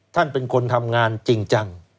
ท่านเป็นคนทำงานจริงจัง